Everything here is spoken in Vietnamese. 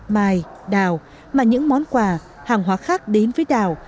mai đào mà những món quà hàng hóa khác đến với đảo